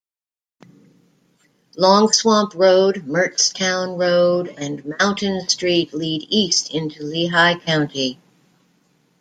Longswamp Road, Mertztown Road, and Mountain Street lead east into Lehigh County.